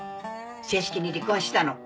正式に離婚したの。